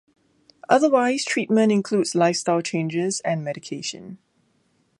Otherwise treatment includes lifestyle changes and medication.